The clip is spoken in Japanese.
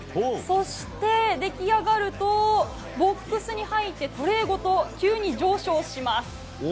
そして、出来上がるとボックスに入ってトレーごと急に上昇します。